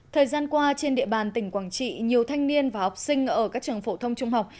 thời gian qua trên địa bàn tỉnh quảng trị nhiều thanh niên và học sinh ở các trường phổ thông trung học